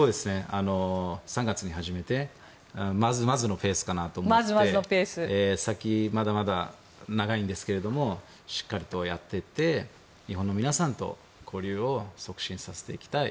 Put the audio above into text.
３月に始めてまずまずのペースかなと思ってて先はまだまだ長いんですけどしっかりとやっていって日本の皆さんと交流を促進させていきたい